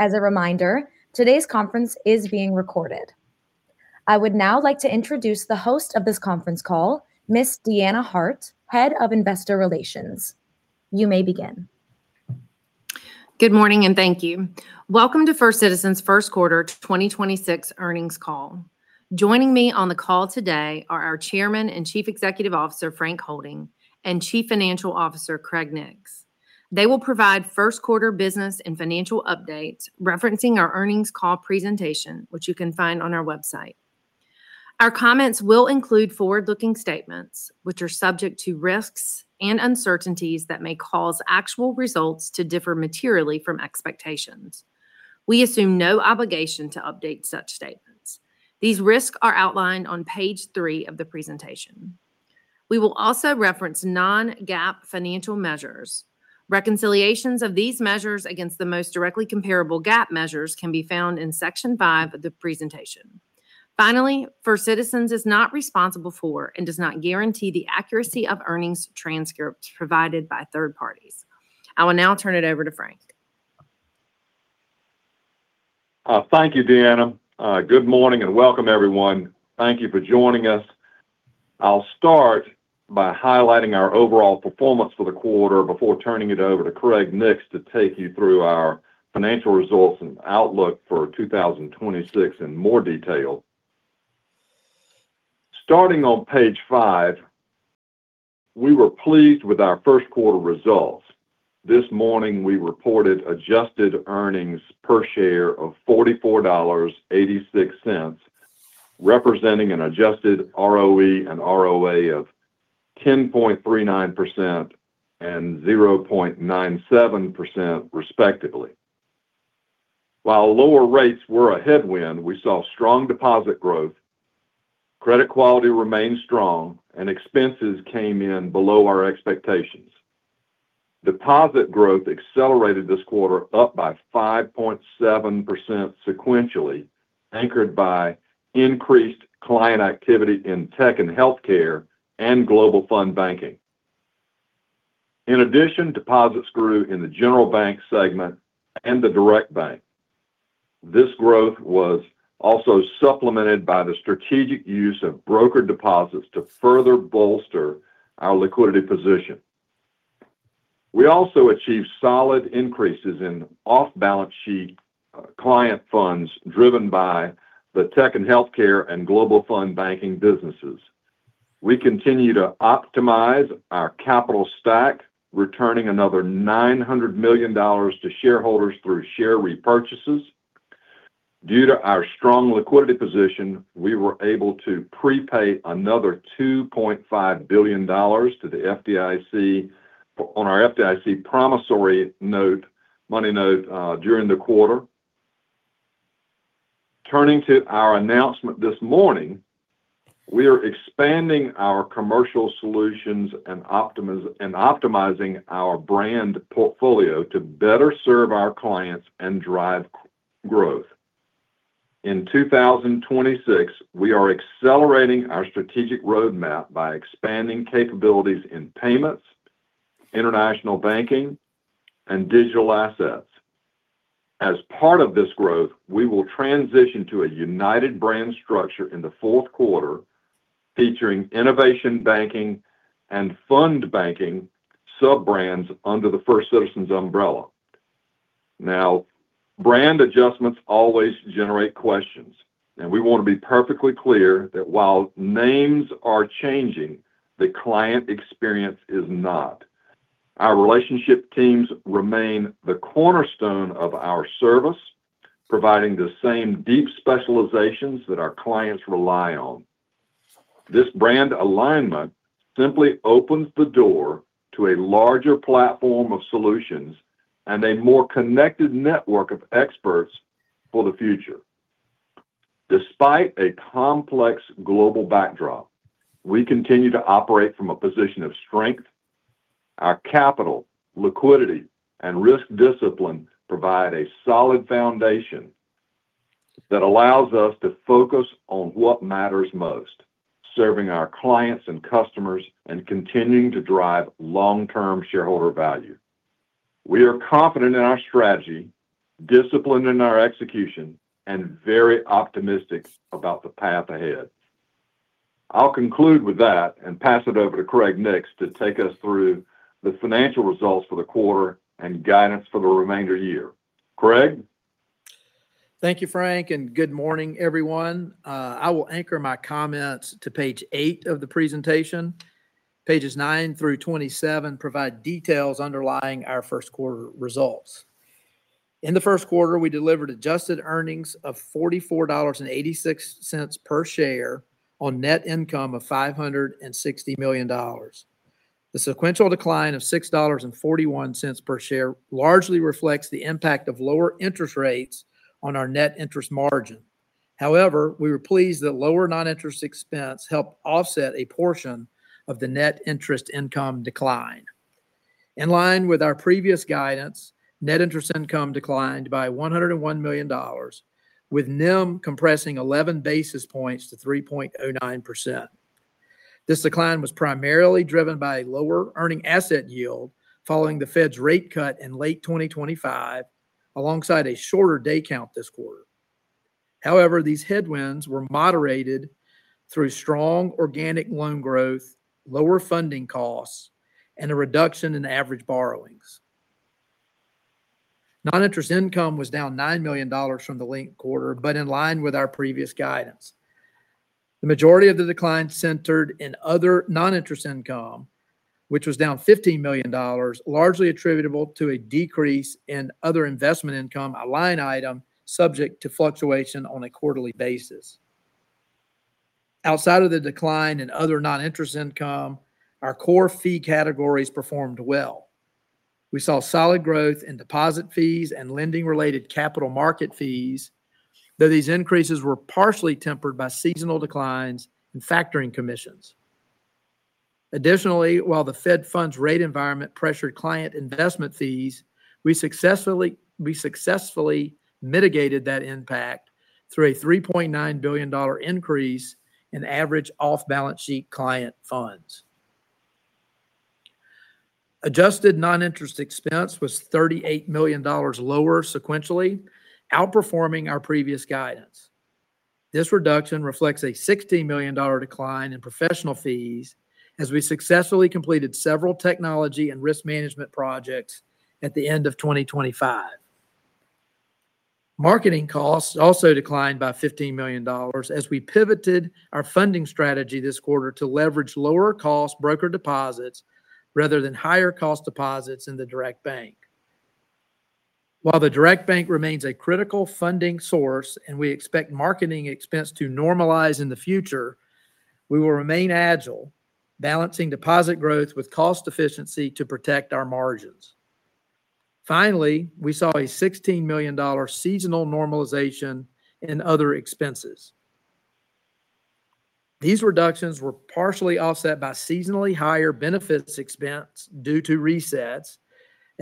Good morning and thank you. Welcome to First Citizens' Q1 2026 Earnings Call. Joining me on the call today are our Chairman and Chief Executive Officer, Frank Holding, and Chief Financial Officer, Craig Nix. They will provide Q1 business and financial updates referencing our earnings call presentation, which you can find on our website. Our comments will include forward-looking statements, which are subject to risks and uncertainties that may cause actual results to differ materially from expectations. We assume no obligation to update such statements. These risks are outlined on page three of the presentation. We will also reference non-GAAP financial measures. Reconciliations of these measures against the most directly comparable GAAP measures can be found in section five of the presentation. Finally, First Citizens is not responsible for, and does not guarantee the accuracy of earnings transcripts provided by third parties. I will now turn it over to Frank. Thank you, Deanna. Good morning and welcome everyone. I'll start by highlighting our overall performance for the quarter before turning it over to Craig Nix to take you through our financial results and outlook for 2026 in more detail. Starting on page five, we were pleased with our Q1 results. This morning, we reported adjusted earnings per share of $44.86, representing an adjusted ROE and ROA of 10.39% and 0.97%, respectively. While lower rates were a headwind, we saw strong deposit growth, credit quality remained strong, and expenses came in below our expectations. Deposit growth accelerated this quarter, up 5.7% sequentially, anchored by increased client activity in tech and healthcare, and Global Fund Banking. In addition, deposits grew in the General Bank segment and the Direct Bank. This growth was also supplemented by the strategic use of broker deposits to further bolster our liquidity position. We also achieved solid increases in off-balance sheet client funds driven by the tech and healthcare, and Global Fund Banking businesses. We continue to optimize our capital stack, returning another $900 million to shareholders through share repurchases. Due to our strong liquidity position, we were able to prepay another $2.5 billion to the FDIC on our FDIC purchase money note during the quarter. Turning to our announcement this morning, we are expanding our commercial solutions and optimizing our brand portfolio to better serve our clients and drive growth. In 2026, we are accelerating our strategic roadmap by expanding capabilities in payments, international banking, and digital assets. As part of this growth, we will transition to a united brand structure in the Q4 featuring innovation banking and Fund Banking sub-brands under the First Citizens umbrella. Brand adjustments always generate questions, and we want to be perfectly clear that while names are changing, the client experience is not. Our relationship teams remain the cornerstone of our service, providing the same deep specializations that our clients rely on. This brand alignment simply opens the door to a larger platform of solutions and a more connected network of experts for the future. Despite a complex global backdrop, we continue to operate from a position of strength. Our capital, liquidity, and risk discipline provide a solid foundation that allows us to focus on what matters most, serving our clients and customers, and continuing to drive long-term shareholder value. We are confident in our strategy, disciplined in our execution, and very optimistic about the path ahead. I'll conclude with that and pass it over to Craig Nix to take us through the financial results for the quarter and guidance for the remainder of the year. Craig? Thank you, Frank, and good morning, everyone. I will anchor my comments to page eight of the presentation. Pages nine through 27 provide details underlying our Q1 results. In the Q1, we delivered adjusted earnings of $44.86 per share on net income of $560 million. The sequential decline of $6.41 per share largely reflects the impact of lower interest rates on our net interest margin. However, we were pleased that lower non-interest expense helped offset a portion of the net interest income decline. In line with our previous guidance, net interest income declined by $101 million, with NIM compressing 11 basis points to 3.09%. This decline was primarily driven by a lower earning asset yield following the Fed's rate cut in late 2025, alongside a shorter day count this quarter. However, these headwinds were moderated through strong organic loan growth, lower funding costs, and a reduction in average borrowings. Non-interest income was down $9 million from the linked quarter, but in line with our previous guidance. The majority of the decline centered in other non-interest income, which was down $15 million, largely attributable to a decrease in other investment income, a line item subject to fluctuation on a quarterly basis. Outside of the decline in other non-interest income, our core fee categories performed well. We saw solid growth in deposit fees and lending related capital market fees, though these increases were partially tempered by seasonal declines in factoring commissions. Additionally, while the Fed funds rate environment pressured client investment fees, we successfully mitigated that impact through a $3.9 billion increase in average off-balance sheet client funds. Adjusted non-interest expense was $38 million lower sequentially, outperforming our previous guidance. This reduction reflects a $16 million decline in professional fees as we successfully completed several technology and risk management projects at the end of 2025. Marketing costs also declined by $15 million as we pivoted our funding strategy this quarter to leverage lower cost broker deposits rather than higher cost deposits in the Direct Bank. While the Direct Bank remains a critical funding source and we expect marketing expense to normalize in the future, we will remain agile, balancing deposit growth with cost efficiency to protect our margins. Finally, we saw a $16 million seasonal normalization in other expenses. These reductions were partially offset by seasonally higher benefits expense due to resets,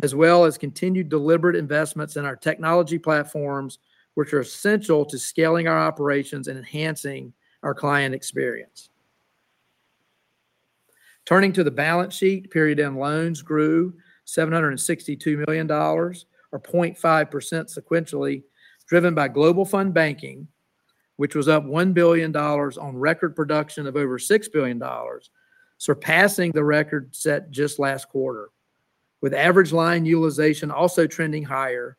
as well as continued deliberate investments in our technology platforms, which are essential to scaling our operations and enhancing our client experience. Turning to the balance sheet, period end loans grew $762 million, or 0.5% sequentially, driven by Global Fund Banking, which was up $1 billion on record production of over $6 billion, surpassing the record set just last quarter. With average line utilization also trending higher,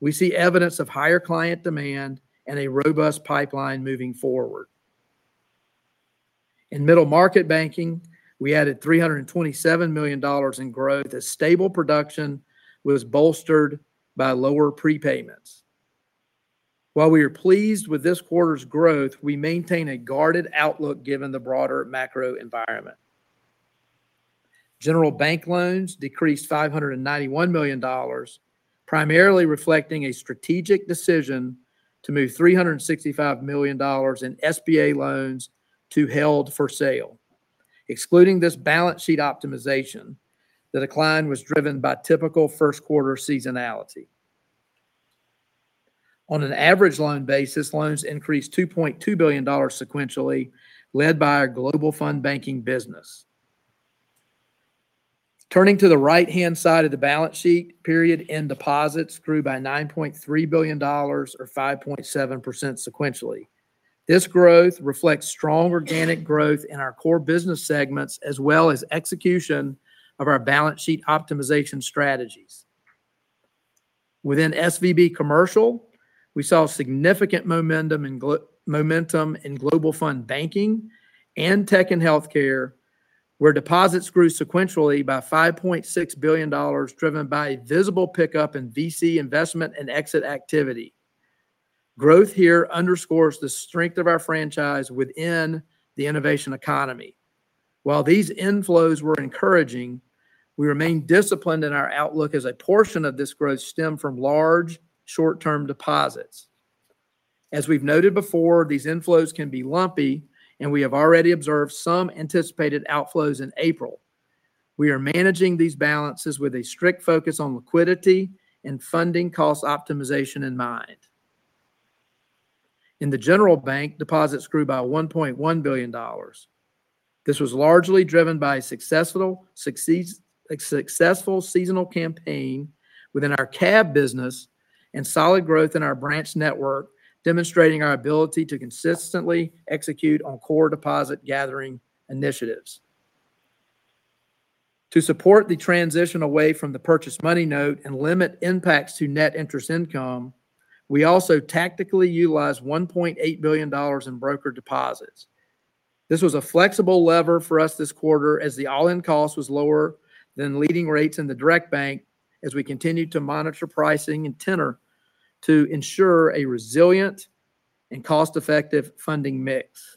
we see evidence of higher client demand and a robust pipeline moving forward. In middle market banking, we added $327 million in growth as stable production was bolstered by lower prepayments. While we are pleased with this quarter's growth, we maintain a guarded outlook given the broader macro environment. General Bank loans decreased $591 million, primarily reflecting a strategic decision to move $365 million in SBA loans to held for sale. Excluding this balance sheet optimization, the decline was driven by typical Q1 seasonality. On an average loan basis, loans increased $2.2 billion sequentially, led by our Global Fund Banking business. Turning to the right-hand side of the balance sheet, period end deposits grew by $9.3 billion, or 5.7% sequentially. This growth reflects strong organic growth in our core business segments, as well as execution of our balance sheet optimization strategies. Within SVB Commercial, we saw significant momentum in Global Fund Banking and tech and healthcare, where deposits grew sequentially by $5.6 billion, driven by a visible pickup in VC investment and exit activity. Growth here underscores the strength of our franchise within the innovation economy. While these inflows were encouraging, we remain disciplined in our outlook as a portion of this growth stemmed from large short-term deposits. As we've noted before, these inflows can be lumpy, and we have already observed some anticipated outflows in April. We are managing these balances with a strict focus on liquidity and funding cost optimization in mind. In the General Bank, deposits grew by $1.1 billion. This was largely driven by a successful seasonal campaign within our CAB business and solid growth in our branch network, demonstrating our ability to consistently execute on core deposit gathering initiatives. To support the transition away from the purchase money note and limit impacts to net interest income, we also tactically utilized $1.8 billion in broker deposits. This was a flexible lever for us this quarter as the all-in cost was lower than lending rates in the Direct Bank as we continued to monitor pricing and tenor. To ensure a resilient and cost-effective funding mix.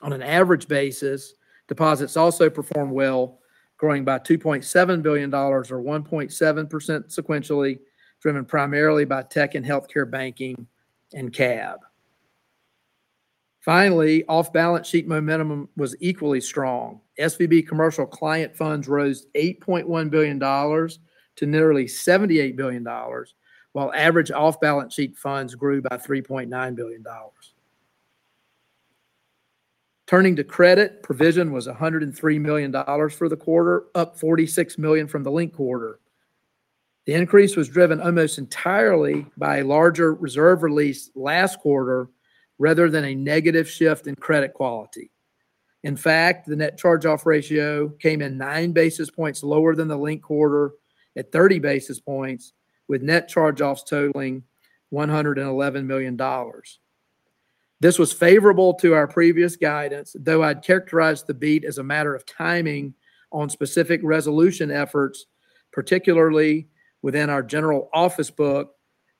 On an average basis, deposits also performed well, growing by $2.7 billion, or 1.7% sequentially, driven primarily by tech and healthcare banking and CAB. Finally, off-balance sheet momentum was equally strong. SVB commercial client funds rose $8.1 billion to nearly $78 billion, while average off-balance sheet funds grew by $3.9 billion. Turning to credit, provision was $103 million for the quarter, up $46 million from the linked quarter. The increase was driven almost entirely by a larger reserve release last quarter, rather than a negative shift in credit quality. In fact, the net charge-off ratio came in 9 basis points lower than the linked quarter at 30 basis points, with net charge-offs totaling $111 million. This was favorable to our previous guidance, though I'd characterize the beat as a matter of timing on specific resolution efforts, particularly within our general office book,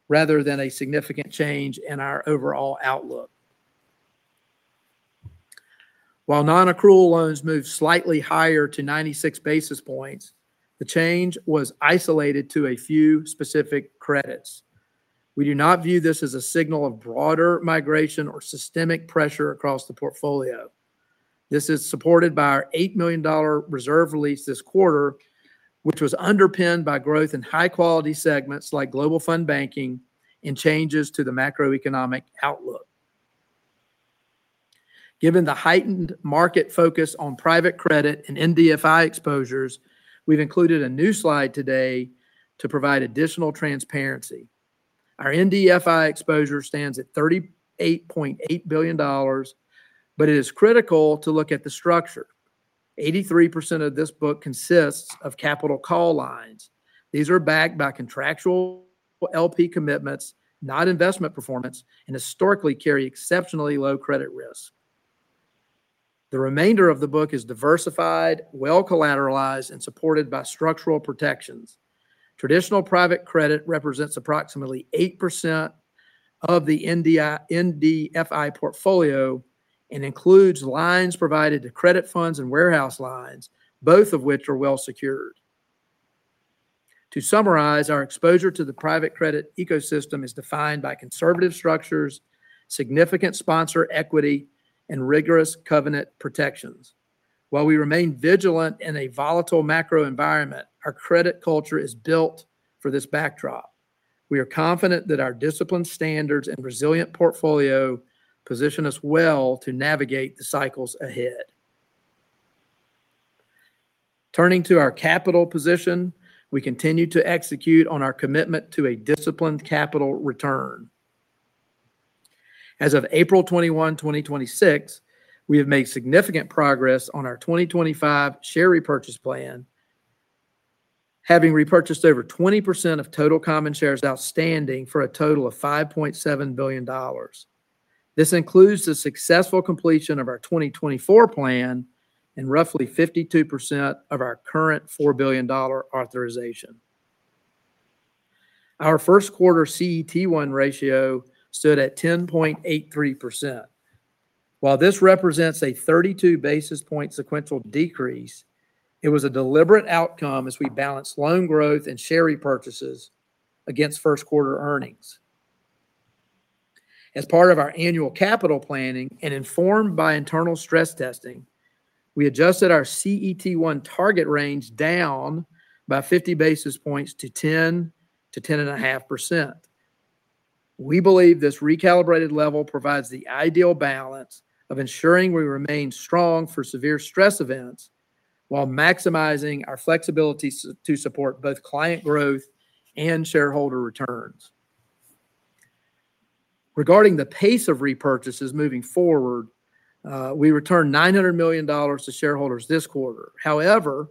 rather than a significant change in our overall outlook. While non-accrual loans moved slightly higher to 96 basis points, the change was isolated to a few specific credits. We do not view this as a signal of broader migration or systemic pressure across the portfolio. This is supported by our $8 million reserve release this quarter, which was underpinned by growth in high-quality segments like Global Fund Banking and changes to the macroeconomic outlook. Given the heightened market focus on private credit and MDFI exposures, we've included a new slide today to provide additional transparency. Our MDFI exposure stands at $38.8 billion, but it is critical to look at the structure. 83% of this book consists of capital call lines. These are backed by contractual LP commitments, not investment performance, and historically carry exceptionally low credit risk. The remainder of the book is diversified, well-collateralized, and supported by structural protections. Traditional private credit represents approximately 8% of the MDFI portfolio and includes lines provided to credit funds and warehouse lines, both of which are well secured. To summarize, our exposure to the private credit ecosystem is defined by conservative structures, significant sponsor equity, and rigorous covenant protections. While we remain vigilant in a volatile macro environment, our credit culture is built for this backdrop. We are confident that our discipline standards and resilient portfolio position us well to navigate the cycles ahead. Turning to our capital position, we continue to execute on our commitment to a disciplined capital return. As of April 21, 2026, we have made significant progress on our 2025 share repurchase plan, having repurchased over 20% of total common shares outstanding for a total of $5.7 billion. This includes the successful completion of our 2024 plan and roughly 52% of our current $4 billion authorization. Our Q1 CET1 ratio stood at 10.83%. While this represents a 32 basis points sequential decrease, it was a deliberate outcome as we balanced loan growth and share repurchases against Q1 earnings. As part of our annual capital planning and informed by internal stress testing, we adjusted our CET1 target range down by 50 basis points to 10%-10.5%. We believe this recalibrated level provides the ideal balance of ensuring we remain strong for severe stress events while maximizing our flexibility to support both client growth and shareholder returns. Regarding the pace of repurchases moving forward, we returned $900 million to shareholders this quarter. However,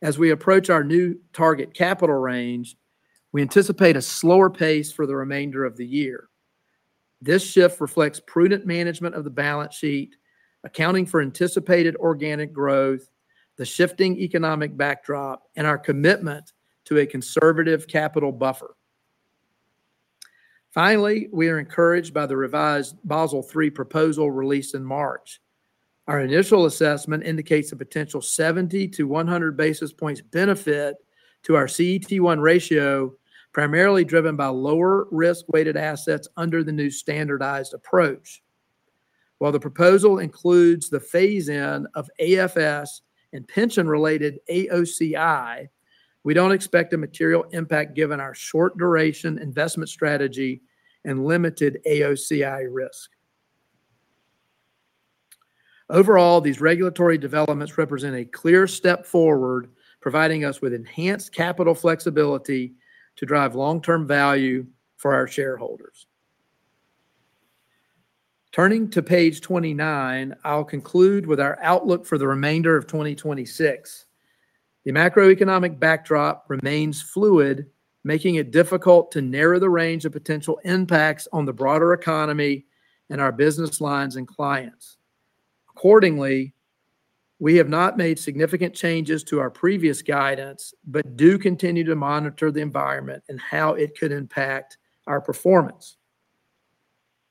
as we approach our new target capital range, we anticipate a slower pace for the remainder of the year. This shift reflects prudent management of the balance sheet, accounting for anticipated organic growth, the shifting economic backdrop, and our commitment to a conservative capital buffer. Finally, we are encouraged by the revised Basel III proposal released in March. Our initial assessment indicates a potential 70-100 basis points benefit to our CET1 ratio, primarily driven by lower risk-weighted assets under the new standardized approach. While the proposal includes the phase-in of AFS and pension-related AOCI, we don't expect a material impact given our short duration investment strategy and limited AOCI risk. Overall, these regulatory developments represent a clear step forward, providing us with enhanced capital flexibility to drive long-term value for our shareholders. Turning to page 29, I'll conclude with our outlook for the remainder of 2026. The macroeconomic backdrop remains fluid, making it difficult to narrow the range of potential impacts on the broader economy and our business lines and clients. Accordingly, we have not made significant changes to our previous guidance, but do continue to monitor the environment and how it could impact our performance.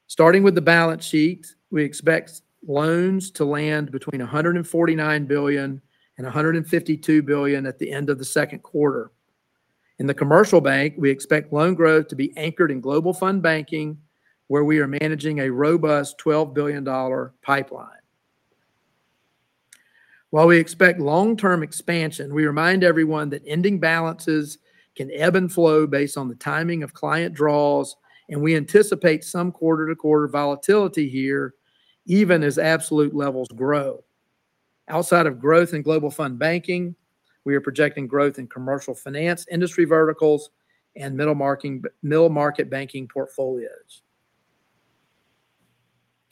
Starting with the balance sheet, we expect loans to land between $149 billion and $152 billion at the end of the Q2. In the commercial bank, we expect loan growth to be anchored in Global Fund Banking, where we are managing a robust $12 billion pipeline. While we expect long-term expansion, we remind everyone that ending balances can ebb and flow based on the timing of client draws, and we anticipate some quarter-to-quarter volatility here, even as absolute levels grow. Outside of growth in Global Fund Banking, we are projecting growth in commercial finance industry verticals and middle-market banking portfolios.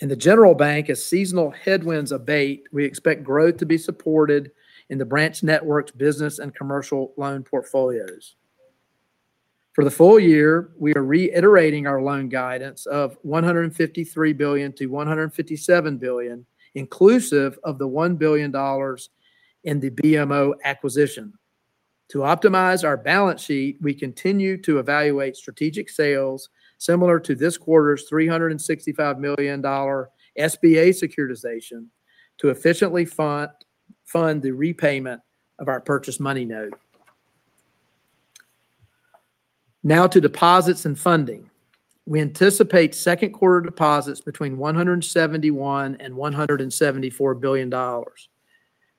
In the General Bank, as seasonal headwinds abate, we expect growth to be supported in the branch networks business and commercial loan portfolios. For the full year, we are reiterating our loan guidance of $153 billion-$157 billion, inclusive of the $1 billion in the BMO acquisition. To optimize our balance sheet, we continue to evaluate strategic sales similar to this quarter's $365 million SBA securitization to efficiently fund the repayment of our purchase money note. Now to deposits and funding. We anticipate Q2 deposits between $171 billion and $174 billion.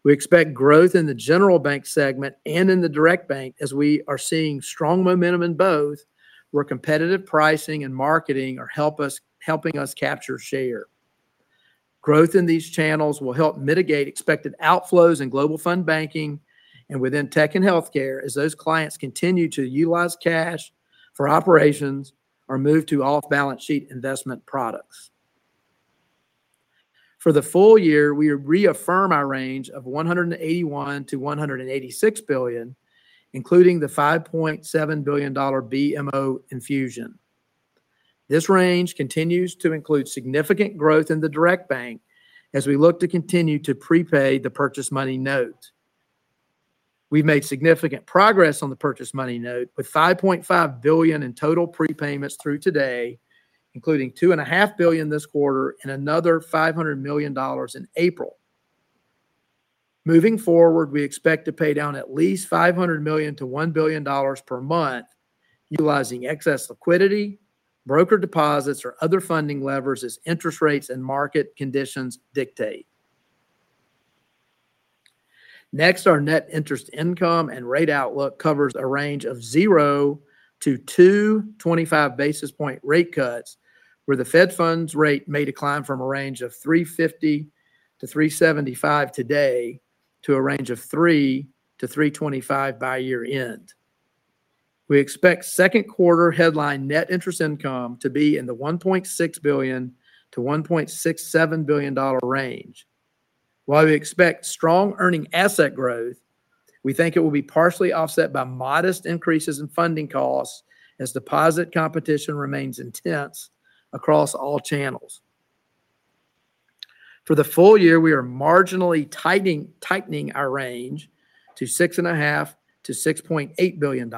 We expect growth in the General Bank segment and in the Direct Bank, as we are seeing strong momentum in both, where competitive pricing and marketing are helping us capture share. Growth in these channels will help mitigate expected outflows in Global Fund Banking and within tech and healthcare, as those clients continue to utilize cash for operations or move to off-balance sheet investment products. For the full year, we reaffirm our range of $181 billion-$186 billion, including the $5.7 billion BMO infusion. This range continues to include significant growth in the Direct Bank as we look to continue to prepay the purchase money note. We've made significant progress on the purchase money note, with $5.5 billion in total prepayments through today, including $2.5 billion this quarter and another $500 million in April. Moving forward, we expect to pay down at least $500 million-$1 billion per month, utilizing excess liquidity, broker deposits, or other funding levers as interest rates and market conditions dictate. Next, our net interest income and rate outlook covers a range of zero to two 25 basis point rate cuts, where the Fed funds rate may decline from a range of 350-375 today to a range of 300-325 by year-end. We expect Q2 headline net interest income to be in the $1.6 billion-$1.67 billion range. While we expect strong earning asset growth, we think it will be partially offset by modest increases in funding costs as deposit competition remains intense across all channels. For the full year, we are marginally tightening our range to $6.5-$6.8 billion.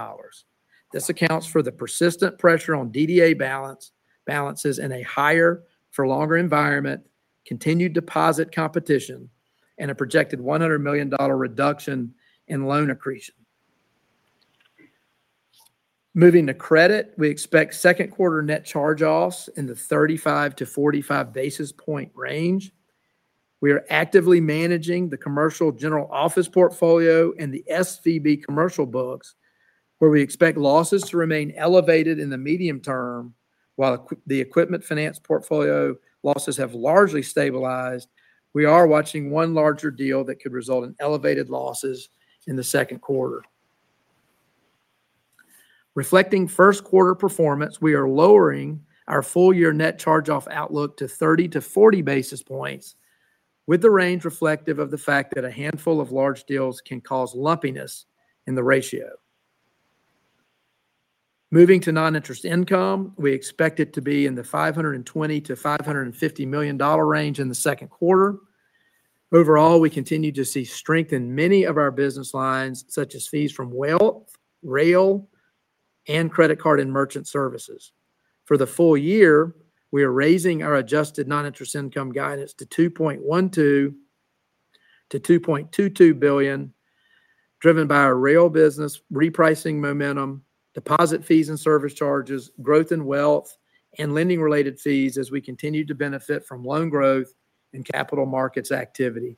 This accounts for the persistent pressure on DDA balances in a higher for longer environment, continued deposit competition, and a projected $100 million reduction in loan accretion. Moving to credit, we expect Q2 net charge-offs in the 35-45 basis point range. We are actively managing the commercial general office portfolio and the SVB commercial books, where we expect losses to remain elevated in the medium term. While the equipment finance portfolio losses have largely stabilized, we are watching one larger deal that could result in elevated losses in the Q2. Reflecting Q1 performance, we are lowering our full year net charge-off outlook to 30-40 basis points, with the range reflective of the fact that a handful of large deals can cause lumpiness in the ratio. Moving to non-interest income, we expect it to be in the $520 million-$550 million range in the Q2. Overall, we continue to see strength in many of our business lines, such as fees from wealth, rail, and credit card and merchant services. For the full year, we are raising our adjusted non-interest income guidance to $2.12 billion-$2.22 billion, driven by our rail business, repricing momentum, deposit fees and service charges, growth in wealth, and lending-related fees as we continue to benefit from loan growth and capital markets activity.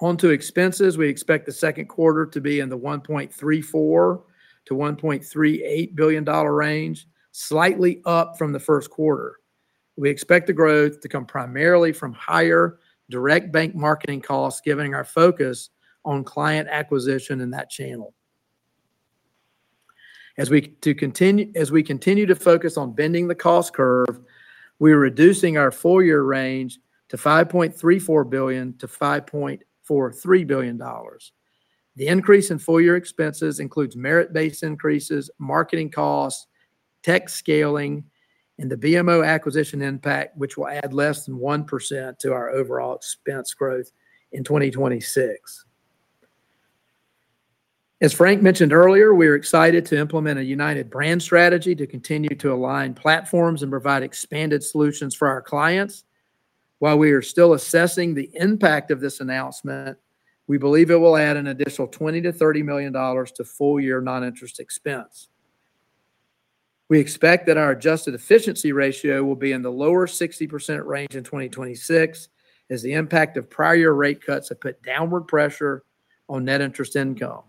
On to expenses. We expect the Q2 to be in the $1.34 billion-$1.38 billion range, slightly up from the Q1. We expect the growth to come primarily from higher Direct Bank marketing costs, given our focus on client acquisition in that channel. As we continue to focus on bending the cost curve, we are reducing our full year range to $5.34 billion-$5.43 billion. The increase in full year expenses includes merit-based increases, marketing costs, tech scaling and the BMO acquisition impact which will add less than 1% to our overall expense growth in 2026. As Frank mentioned earlier, we are excited to implement a united brand strategy to continue to align platforms and provide expanded solutions for our clients. While we are still assessing the impact of this announcement, we believe it will add an additional $20 million-$30 million to full year non-interest expense. We expect that our adjusted efficiency ratio will be in the lower 60% range in 2026, as the impact of prior year rate cuts have put downward pressure on net interest income.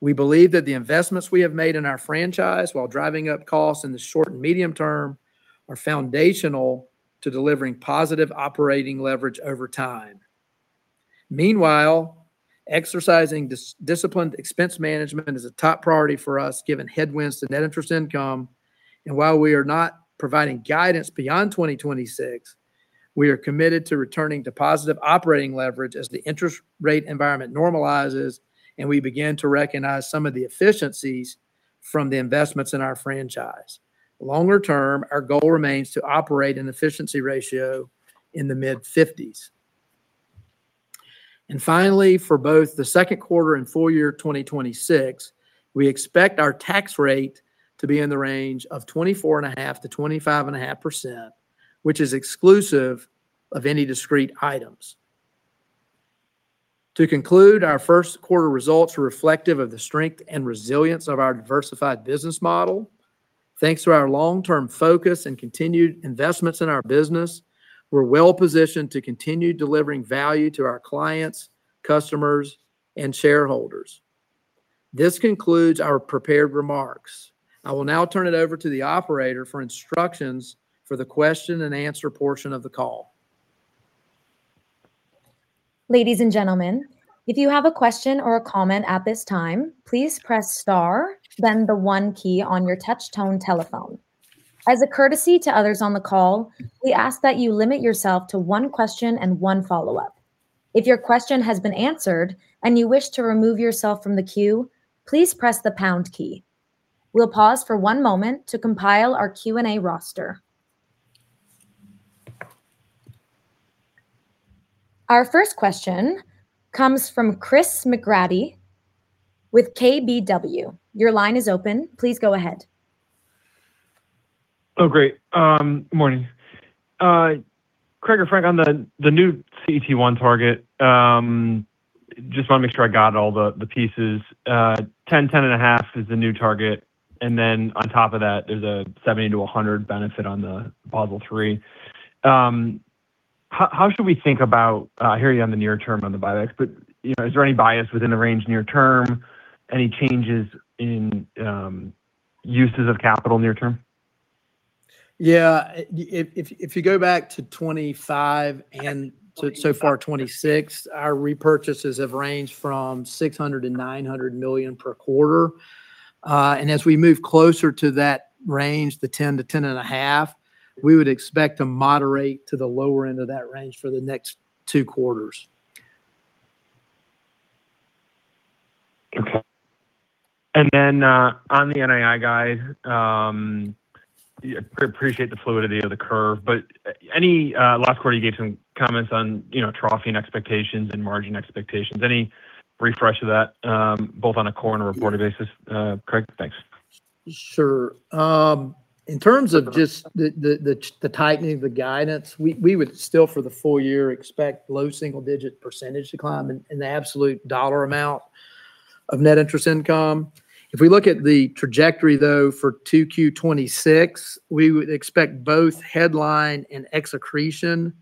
We believe that the investments we have made in our franchise while driving up costs in the short and medium term, are foundational to delivering positive operating leverage over time. Meanwhile, exercising disciplined expense management is a top priority for us given headwinds to net interest income. While we are not providing guidance beyond 2026, we are committed to returning to positive operating leverage as the interest rate environment normalizes and we begin to recognize some of the efficiencies from the investments in our franchise. Longer term, our goal remains to operate an efficiency ratio in the mid-50s. Finally, for both the Q2 and full year 2026, we expect our tax rate to be in the range of 24.5%-25.5%, which is exclusive of any discrete items. To conclude, our Q1 results were reflective of the strength and resilience of our diversified business model. Thanks to our long-term focus and continued investments in our business, we're well-positioned to continue delivering value to our clients, customers, and shareholders. This concludes our prepared remarks. I will now turn it over to the operator for instructions for the question and answer portion of the call. Oh, great. Good morning. Craig or Frank, on the new CET1 target, just want to make sure I got all the pieces. 10.5 is the new target, and then on top of that, there's a 70-100 benefit on the Basel III. How should we think about, I hear you on the near term on the buybacks, but is there any bias within the range near term? Any changes in uses of capital near term? Yeah. If you go back to 2025 and so far 2026, our repurchases have ranged from $600 million-$900 million per quarter. As we move closer to that range, the 10%-10.5%, we would expect to moderate to the lower end of that range for the next two quarters. Okay. On the NII guide, I appreciate the fluidity of the curve. Last quarter, you gave some comments on troughing expectations and margin expectations. Any refresh of that, both on a core and a reported basis, Craig? Thanks. Sure. In terms of just the tightening of the guidance, we would still for the full year expect low single-digit % decline in the absolute dollar amount of net interest income. If we look at the trajectory though for Q2 2026, we would expect both headline and ex accretion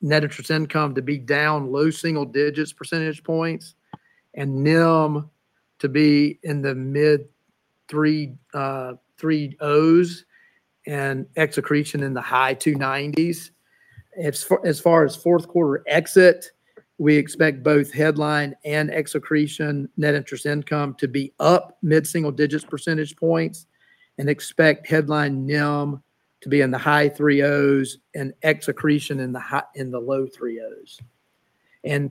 net interest income to be down low single-digits percentage points and NIM to be in the mid 3.0s and ex accretion in the high 2.9s. As far as Q4 exit, we expect both headline and ex accretion net interest income to be up mid-single-digits percentage points and expect headline NIM to be in the high 3.0s and ex accretion in the low 3.0s. In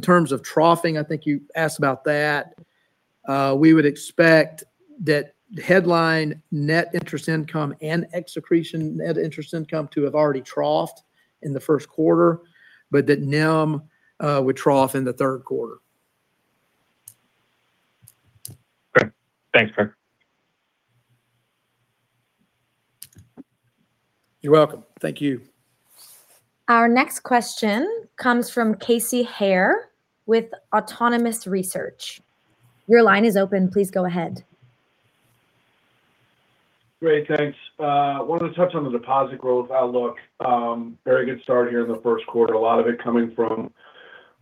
terms of troughing, I think you asked about that. We would expect that headline net interest income and ex accretion net interest income to have already troughed in the Q1, but that NIM would trough in the Q3. Great. Thanks, Craig. You're welcome. Thank you. Great, thanks. Wanted to touch on the deposit growth outlook. Very good start here in the Q1. A lot of it coming from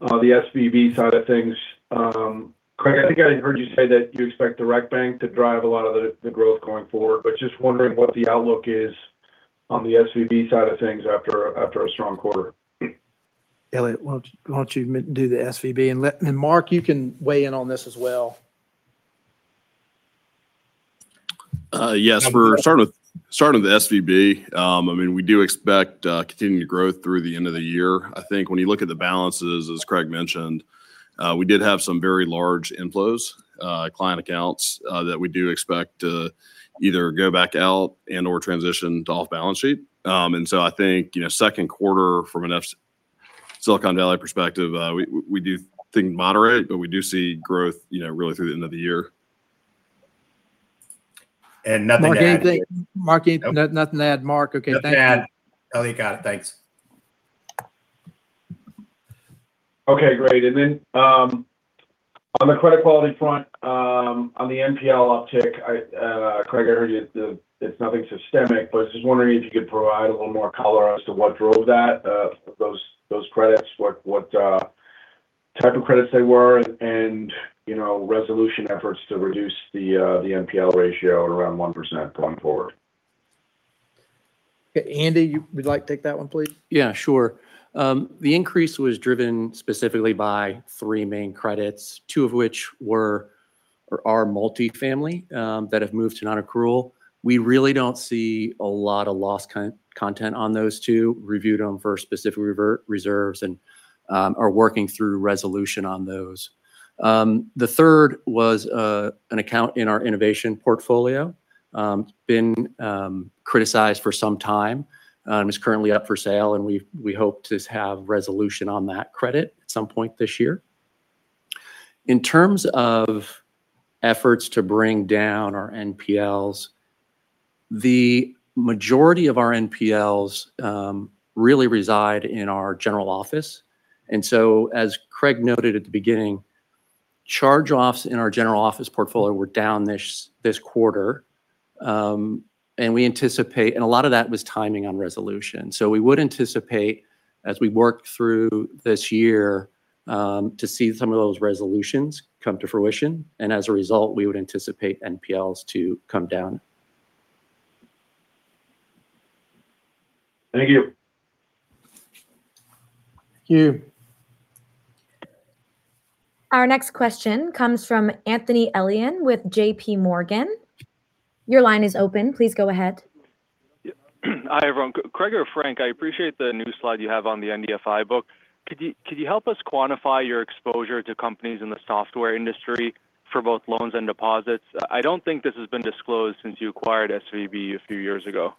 the SVB side of things. Craig, I think I heard you say that you expect Direct Bank to drive a lot of the growth going forward, but just wondering what the outlook is on the SVB side of things after a strong quarter. Elliot, why don't you do the SVB, and Marc, you can weigh in on this as well. Yes. We're starting with SVB. Starting with the SVB, we do expect continued growth through the end of the year. I think when you look at the balances, as Craig mentioned, we did have some very large inflows, client accounts that we do expect to either go back out and/or transition to off-balance sheet. I think, Q2 from a Silicon Valley perspective, we do think moderate, but we do see growth really through the end of the year. Nothing to add. Marc, anything? Nothing to add, Marc? Okay, thanks. Nothing to add. Elliot got it. Thanks. Okay, great. On the credit quality front, on the NPL uptick, Craig, I heard it's nothing systemic, but I was just wondering if you could provide a little more color as to what drove that, those credits. What type of credits they were and resolution efforts to reduce the NPL ratio at around 1% going forward. Okay. Andrew Giangrave, would you like to take that one, please? Yeah, sure. The increase was driven specifically by three main credits, two of which are multifamily, that have moved to non-accrual. We really don't see a lot of loss content on those two. We reviewed them for specific reserves and are working through resolution on those. The third was an account in our innovation portfolio. It's been criticized for some time, and is currently up for sale, and we hope to have resolution on that credit at some point this year. In terms of efforts to bring down our NPLs, the majority of our NPLs really reside in our General Bank. As Craig noted at the beginning, charge-offs in our General Bank portfolio were down this quarter, and a lot of that was timing on resolution. We would anticipate as we work through this year to see some of those resolutions come to fruition, and as a result, we would anticipate NPLs to come down. Thank you. Thank you. Hi, everyone. Craig or Frank, I appreciate the new slide you have on the MDFI book. Could you help us quantify your exposure to companies in the software industry for both loans and deposits? I don't think this has been disclosed since you acquired SVB a few years ago.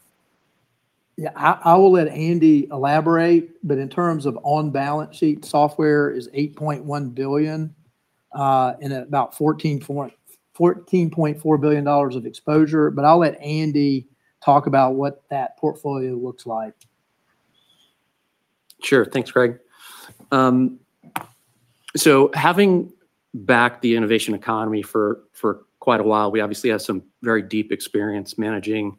Yeah, I will let Andy elaborate, but in terms of on-balance-sheet software is $8.1 billion, and about $14.4 billion of exposure. I'll let Andy talk about what that portfolio looks like. Sure. Thanks, Craig. Having backed the innovation economy for quite a while, we obviously have some very deep experience managing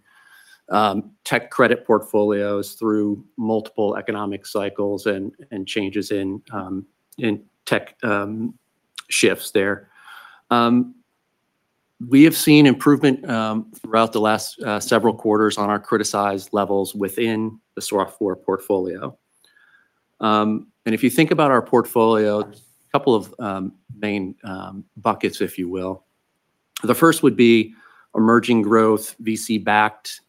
tech credit portfolios through multiple economic cycles and changes in tech shifts there. We have seen improvement throughout the last several quarters on our criticized levels within the software portfolio. If you think about our portfolio, a couple of main buckets, if you will. The first would be emerging growth VC-backed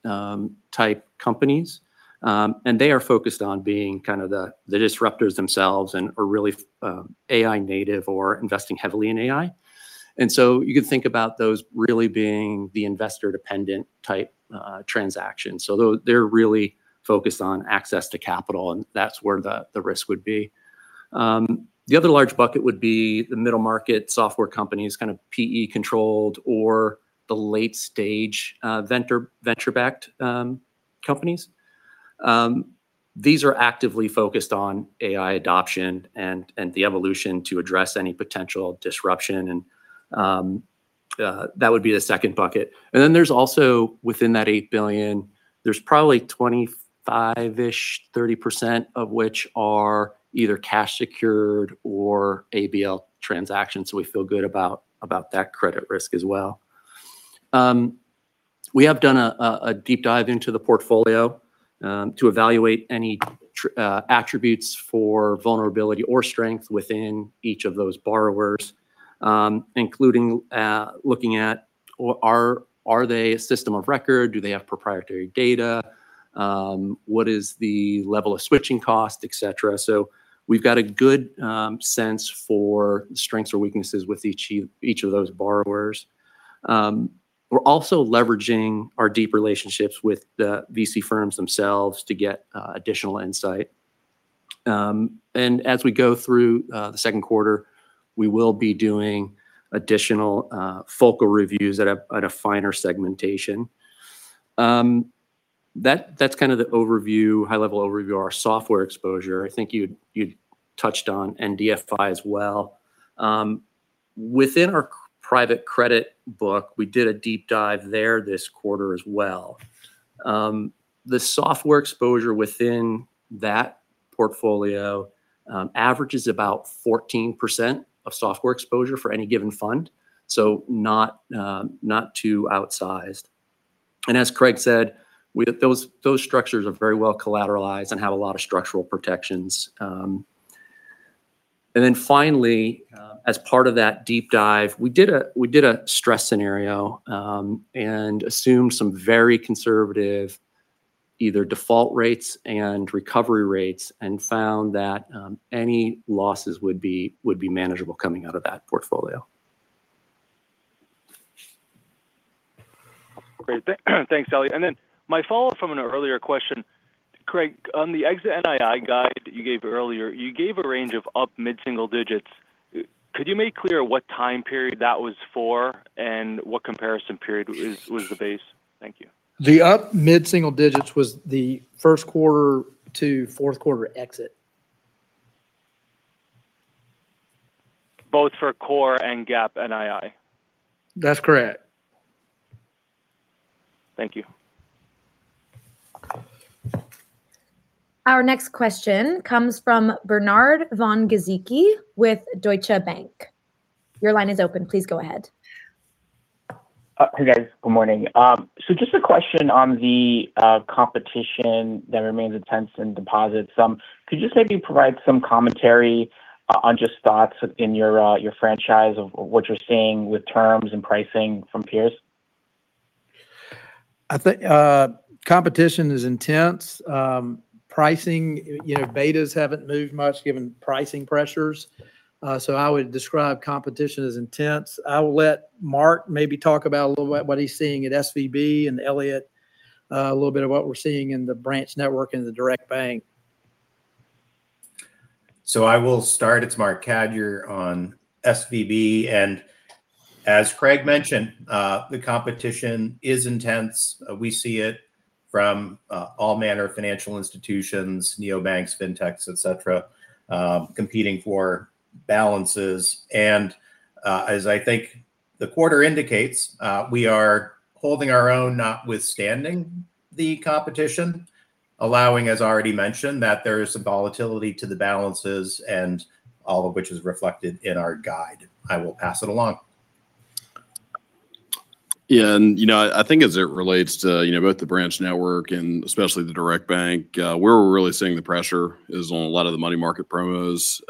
type companies. They are focused on being kind of the disruptors themselves and are really AI native or investing heavily in AI. You could think about those really being the investor-dependent type transactions. They're really focused on access to capital, and that's where the risk would be. The other large bucket would be the middle market software companies, kind of PE-controlled or the late-stage venture-backed companies. These are actively focused on AI adoption and the evolution to address any potential disruption, and that would be the second bucket. There's also within that $8 billion, there's probably 25%-30% of which are either cash secured or ABL transactions, so we feel good about that credit risk as well. We have done a deep dive into the portfolio to evaluate any attributes for vulnerability or strength within each of those borrowers, including looking at are they a system of record? Do they have proprietary data? What is the level of switching cost, et cetera? We've got a good sense for strengths or weaknesses with each of those borrowers. We're also leveraging our deep relationships with the VC firms themselves to get additional insight. As we go through the Q2, we will be doing additional focal reviews at a finer segmentation. That's kind of the overview, high-level overview of our software exposure. I think you'd touched on MDFI as well. Within our private credit book, we did a deep dive there this quarter as well. The software exposure within that portfolio averages about 14% of software exposure for any given fund, so not too outsized. As Craig said, those structures are very well collateralized and have a lot of structural protections. Then finally, as part of that deep dive, we did a stress scenario, and assumed some very conservative either default rates and recovery rates and found that any losses would be manageable coming out of that portfolio. Great. Thanks, Elliot. My follow-up from an earlier question, Craig, on the exit NII guide you gave earlier, you gave a range of up mid-single digits. Could you make clear what time period that was for and what comparison period was the base? Thank you. The up mid-single digits was the Q1 to Q4 exit. Both for core and GAAP NII? That's correct. Thank you. Hey, guys. Good morning. Just a question on the competition that remains intense in deposits. Could you maybe provide some commentary on just thoughts in your franchise of what you're seeing with terms and pricing from peers? I think competition is intense. Pricing, betas haven't moved much given pricing pressures. I would describe competition as intense. I will let Marc maybe talk about a little about what he's seeing at SVB and Elliot a little bit of what we're seeing in the branch network and the Direct Bank. I will start. It's Marc Cadieux on SVB, and as Craig mentioned, the competition is intense. We see it from all manner of financial institutions, neobanks, fintechs, et cetera, competing for balances. As I think the quarter indicates, we are holding our own, notwithstanding the competition, allowing, as already mentioned, that there is some volatility to the balances and all of which is reflected in our guide. I will pass it along. Yeah. I think as it relates to both the branch network and especially the Direct Bank, where we're really seeing the pressure is on a lot of the money market promos,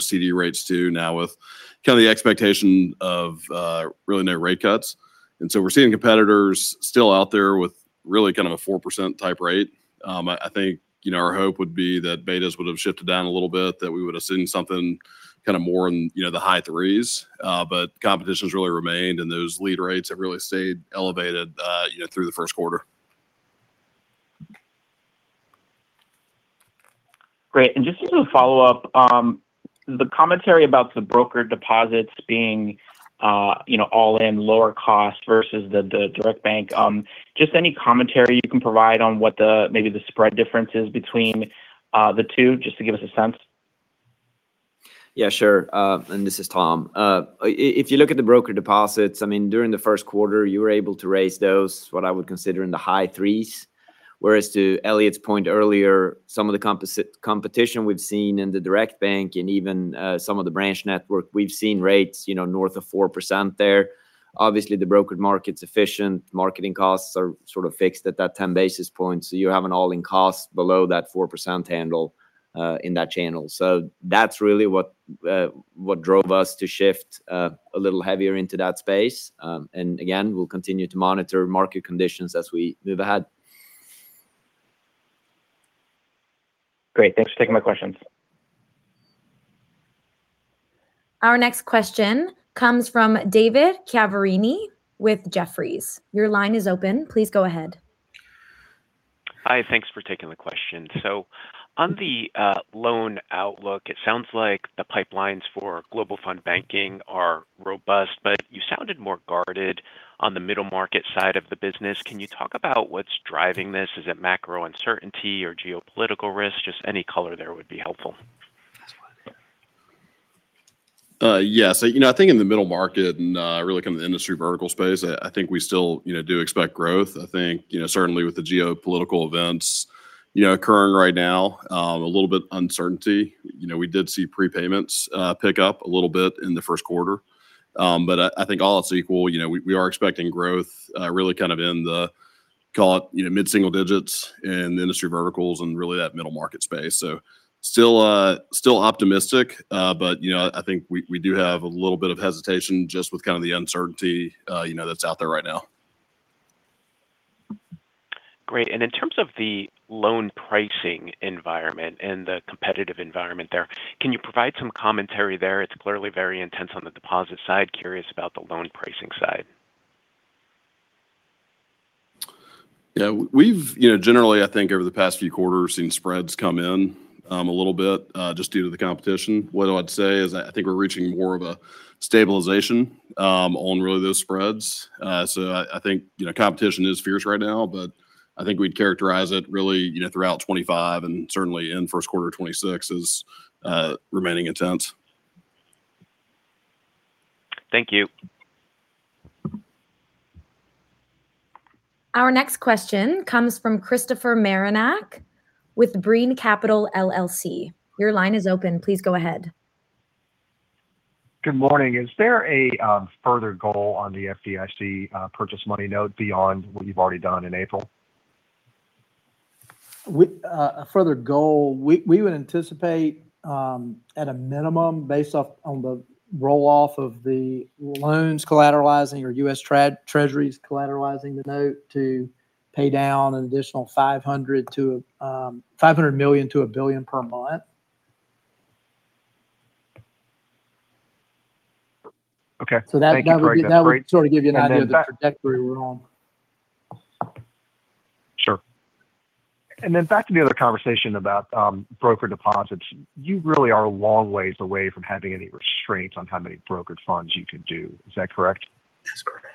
CD rates too, now with the expectation of really no rate cuts. We're seeing competitors still out there with really a 4% type rate. I think our hope would be that betas would have shifted down a little bit, that we would have seen something more in the high threes. Competition's really remained, and those lead rates have really stayed elevated through the Q1. Great. Just as a follow-up, the commentary about the broker deposits being all in lower cost versus the Direct Bank, just any commentary you can provide on what maybe the spread difference is between the two, just to give us a sense? Yeah, sure. This is Tom. If you look at the broker deposits, during the Q1, you were able to raise those, what I would consider in the high threes. Whereas to Elliot's point earlier, some of the competition we've seen in the Direct Bank and even some of the branch network, we've seen rates north of 4% there. Obviously, the broker market's efficient. Marketing costs are sort of fixed at that 10 basis points. You have an all-in cost below that 4% handle, in that channel. That's really what drove us to shift a little heavier into that space. Again, we'll continue to monitor market conditions as we move ahead. Great. Thanks for taking my questions. Hi. Thanks for taking the question. On the loan outlook, it sounds like the pipelines for Global Fund Banking are robust, but you sounded more guarded on the middle market side of the business. Can you talk about what's driving this? Is it macro uncertainty or geopolitical risk? Just any color there would be helpful. Yeah. I think in the middle market and really kind of the industry vertical space, I think we still do expect growth. I think certainly with the geopolitical events occurring right now, a little bit of uncertainty. We did see prepayments pick up a little bit in the Q1. I think all else equal, we are expecting growth really kind of in the mid-single digits in the industry verticals and really that middle market space. Still optimistic, but I think we do have a little bit of hesitation just with kind of the uncertainty that's out there right now. Great. In terms of the loan pricing environment and the competitive environment there, can you provide some commentary there? It's clearly very intense on the deposit side. Curious about the loan pricing side. Yeah. We've generally, I think over the past few quarters, seen spreads come in a little bit, just due to the competition. What I'd say is I think we're reaching more of a stabilization on really those spreads. I think competition is fierce right now, but I think we'd characterize it really throughout 2025 and certainly in Q1 2026 as remaining intense. Thank you. Good morning. Is there a further goal on the FDIC purchase money note beyond what you've already done in April? A further goal, we would anticipate at a minimum based on the roll-off of the loans collateralizing or U.S. Treasuries collateralizing the note to pay down an additional $500 million-$1 billion per month. Okay. Thank you, Craig. That's great. That sort of gives you an idea of the trajectory we're on. Sure. Back to the other conversation about broker deposits. You really are a long ways away from having any restraints on how many brokered funds you could do. Is that correct? That's correct.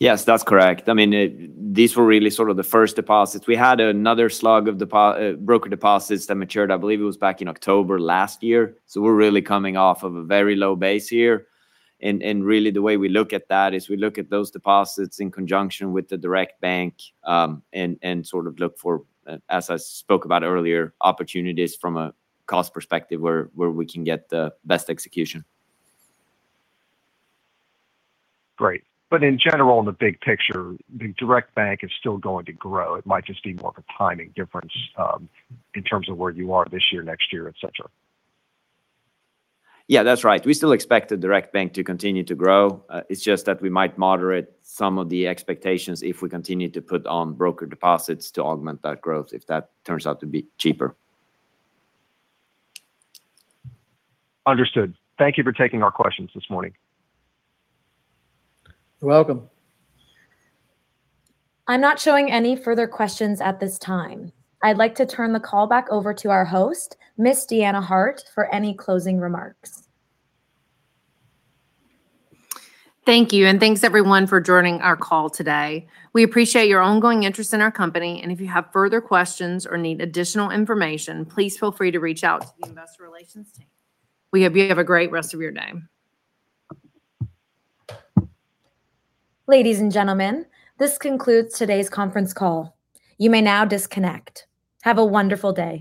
Yes, that's correct. These were really sort of the first deposits. We had another slog of broker deposits that matured, I believe it was back in October last year. We're really coming off of a very low base here. Really the way we look at that is we look at those deposits in conjunction with the Direct Bank, and sort of look for, as I spoke about earlier, opportunities from a cost perspective where we can get the best execution. Great. In general, in the big picture, the Direct Bank is still going to grow. It might just be more of a timing difference in terms of where you are this year, next year, et cetera. Yeah, that's right. We still expect the Direct Bank to continue to grow. It's just that we might moderate some of the expectations if we continue to put on broker deposits to augment that growth, if that turns out to be cheaper. Understood. Thank you for taking our questions this morning. You're welcome. Thank you, and thanks, everyone, for joining our call today. We appreciate your ongoing interest in our company, and if you have further questions or need additional information, please feel free to reach out to the investor relations team. We hope you have a great rest of your day.